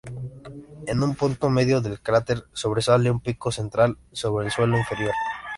En el punto medio del cráter sobresale un pico central sobre el suelo interior.